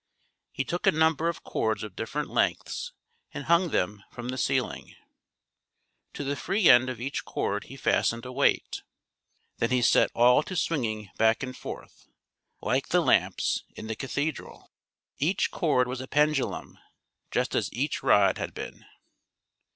He took a number of cords of dif ferent lengths and hung them from the ceiling. To the free end of each cord he fastened a weight. Then he set all to swinging back and forth, like the lamps in the cathedral. Each cord was a pendu lum, just as each rod had been.